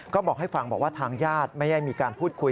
ก็บอกให้ฟังบอกว่าทางญาติไม่ได้มีการพูดคุย